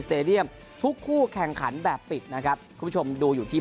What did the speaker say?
เตดียมทุกคู่แข่งขันแบบปิดนะครับคุณผู้ชมดูอยู่ที่